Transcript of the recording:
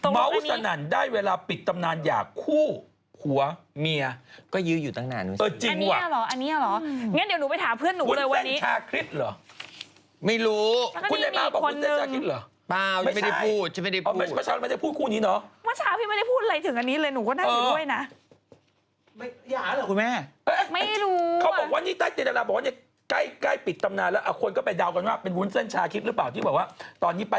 มาเช้าพี่ไม่ได้พูดอะไรถึงอันนี้เลยหนูก็นั่งอยู่ด้วยนะ